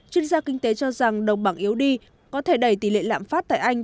chuyên gia kinh tế cho rằng đồng bằng yếu đi có thể đẩy tỷ lệ lạm phát tại anh